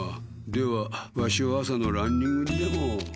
ではワシは朝のランニングにでも。